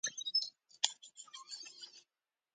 لیپوپروټین او خارجي غشا لري.